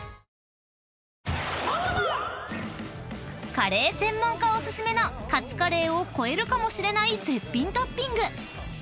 ［カレー専門家お薦めのカツカレーを超えるかもしれない絶品トッピング］